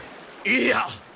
いいや！